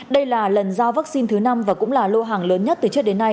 đây là lần giao vaccine thứ năm và cũng là lô hàng lớn nhất từ trước đến nay